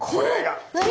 え？